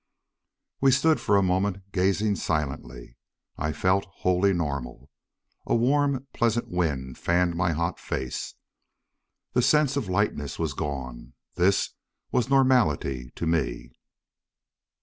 We stood for a moment gazing silently. I felt wholly normal. A warm, pleasant wind fanned my hot face. The sense of lightness was gone. This was normality to me.